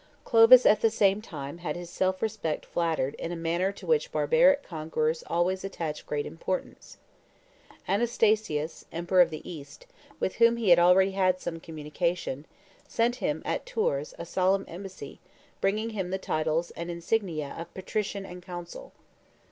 Clovis at the same time had his self respect flattered in a manner to which barbaric conquerors always attach great importance. Anastasius, Emperor of the East, with whom he had already had some communication, sent to him at Tours a solemn embassy, bringing him the titles and insignia of Patrician and Consul.